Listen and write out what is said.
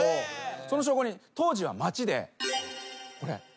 その証拠に当時は街で。